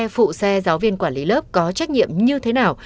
phụ xe giáo viên quản lý lớp có trách nhiệm như thế nào